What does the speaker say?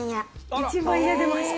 一番嫌、出ました。